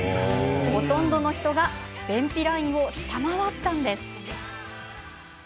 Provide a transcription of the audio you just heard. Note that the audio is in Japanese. ほとんどの人が便秘ラインを下回ったんです。